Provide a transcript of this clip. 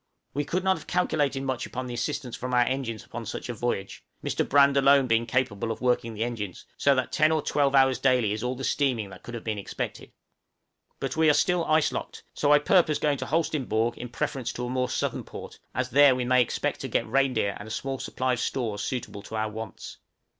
We could not have calculated upon much assistance from our engines upon such a voyage, Mr. Brand alone being capable of working the engines, so that ten or twelve hours daily is all the steaming that could have been expected. But we are still ice locked, so I purpose going to Holsteinborg in preference to a more southern port, as there we may expect to get reindeer and a small supply of stores suitable to our wants.